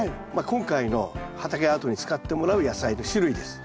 今回の畑アートに使ってもらう野菜の種類です。